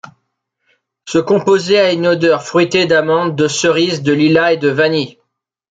Ce composé a une odeur fruitée d'amande, de cerise, de lilas et de vanille.